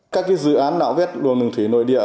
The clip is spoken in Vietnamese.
các dự án nạo vét luồng đường thủy nội địa